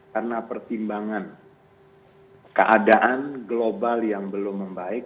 karena pertimbangan keadaan global yang belum membaik